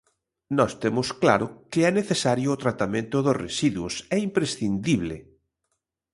Nós temos claro que é necesario o tratamento dos residuos, é imprescindible.